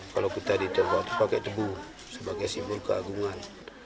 kalau kita di tionghoa itu pakai tebu sebagai simbol keagungan